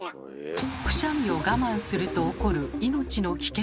くしゃみを我慢すると起こる命の危険とは？